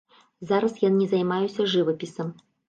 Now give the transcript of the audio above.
Зараз я не займаюся жывапісам.